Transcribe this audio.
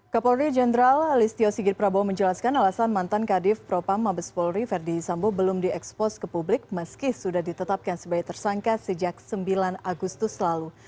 kapolri jenderal listio sigit prabowo menjelaskan alasan mantan kadif propam mabes polri verdi sambo belum diekspos ke publik meski sudah ditetapkan sebagai tersangka sejak sembilan agustus lalu